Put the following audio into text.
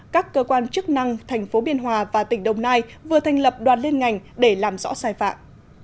các cơ quan chức năng thành phố biên hòa và tỉnh đồng nai vừa thành lập đoàn liên ngành để làm rõ sai phạm